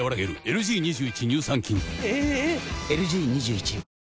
⁉ＬＧ２１